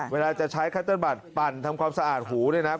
เวลาจะใช้คัตเติ้ลบัตรปั่นทำความสะอาดหูเนี่ยนะ